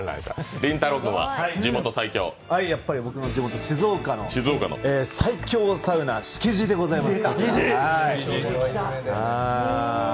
やっぱり僕の地元・静岡の最強サウナしきじでございます。